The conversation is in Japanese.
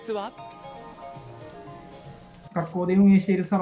学校で運営しているサロ